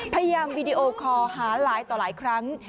พยายามวีดีโอคอลหาหลายต่อหลายครั้ง